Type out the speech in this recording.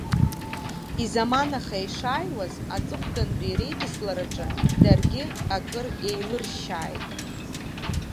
Изаманаха ишааиуаз, аҵыхәтәантәи реидыслараҿы даргьы акыр еилыршьааит.